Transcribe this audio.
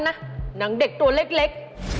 หนังเด็กตัวเล็ก